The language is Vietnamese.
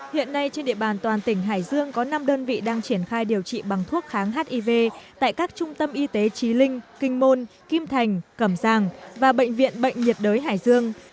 hiện nay trên địa bàn toàn tỉnh hải dương có năm đơn vị đang triển khai điều trị bằng thuốc kháng hiv tại các trung tâm y tế trí linh kinh môn kim thành cẩm giang và bệnh viện bệnh nhiệt đới hải dương